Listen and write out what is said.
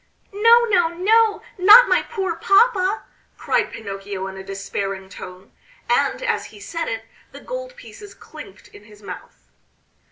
"No, no, no, not my poor papa!" cried Pinocchio in a despairing tone; and as he said it, the gold pieces clinked in his mouth.